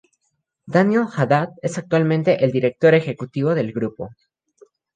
Daniel Hadad es actualmente el director ejecutivo del grupo.